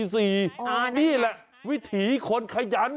นี่แหละวิถีคนขยัน